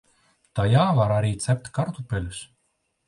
Tajā var arī cept kartupeļus.